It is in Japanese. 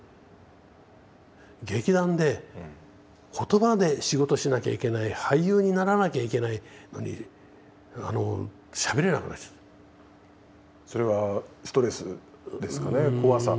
劇団でことばで仕事しなきゃいけない俳優にならなきゃいけないのにそれはストレスですかね怖さ？